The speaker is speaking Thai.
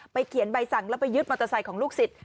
เขียนใบสั่งแล้วไปยึดมอเตอร์ไซค์ของลูกศิษย